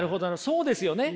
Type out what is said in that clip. そうですよね。